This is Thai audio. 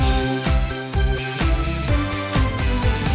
สามารถรับชมได้ทุกวัย